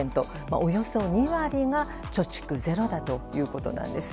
およそ２割が貯蓄０だということです。